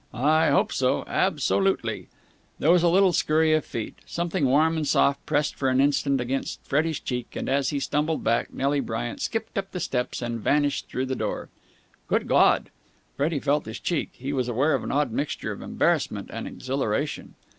"I hope so. Absolutely!" There was a little scurry of feet. Something warm and soft pressed for an instant against Freddie's cheek, and, as he stumbled back, Nelly Bryant skipped up the steps and vanished through the door. "Good God!" Freddie felt his cheek. He was aware of an odd mixture of embarrassment and exhilaration.